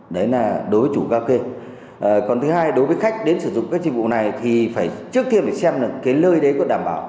đấy là đối với chủ gap còn thứ hai đối với khách đến sử dụng các dịch vụ này thì phải trước kia phải xem là cái lơi đấy có đảm bảo